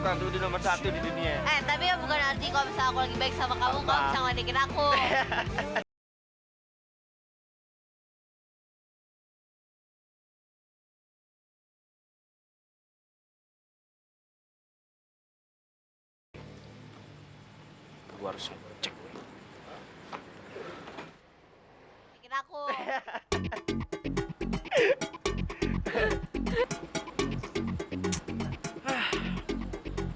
aduh udah udah udah kayaknya yang berdua sama sama bagus kok